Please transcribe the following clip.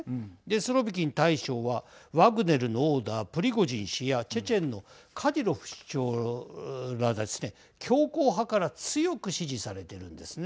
スロビキン大将はワグネルのオーナープリゴージン氏やチェチェンのカディロフ首長らですね強硬派から強く支持されているんですね。